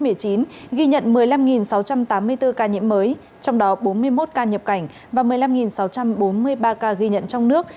ghi nhận một mươi năm sáu trăm tám mươi bốn ca nhiễm mới trong đó bốn mươi một ca nhập cảnh và một mươi năm sáu trăm bốn mươi ba ca ghi nhận trong nước